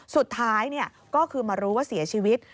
สุดท้ายก็คือมารู้ว่าเสียชีวิต